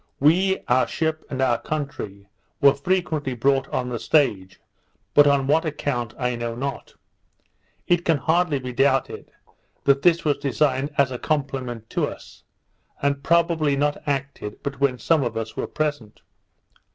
We, our ship, and our country, were frequently brought on the stage; but on what account I know not. It can hardly be doubted, that this was designed as a compliment to us, and probably not acted but when some of us were present.